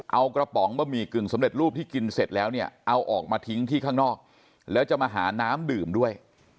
เอากระป๋องบะหมี่กึ่งสำเร็จรูปที่กินเสร็จแล้วเนี่ยเอาออกมาทิ้งที่ข้างนอกแล้วจะมาหาน้ำดื่มด้วย